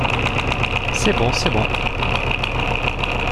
C’est bon ! c’est bon !